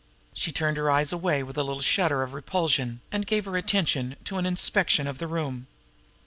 She turned her eyes away with a little shudder of repulsion, and gave her attention to an inspection of the room.